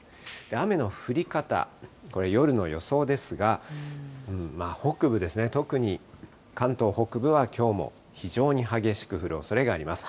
雨の降り方、これ、夜の予想ですが、北部ですね、特に関東北部は、きょうも非常に激しく降るおそれがあります。